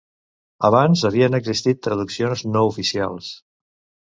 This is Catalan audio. Abans havien existit traduccions no oficials.